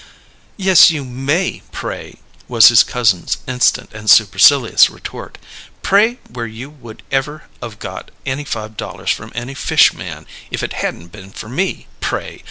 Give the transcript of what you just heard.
"Yes, you may, pray!" was his cousin's instant and supercilious retort. "Pray where would you ever of got any five dollars from any fish man, if it hadn't been for me, pray?